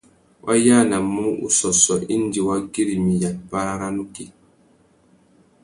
Wá yānamú ussôssô indi wa güirimiya párá râ nukí.